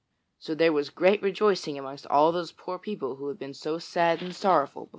So there was great rejoicing amongst all those poor people who had been so sad and sorrowful before.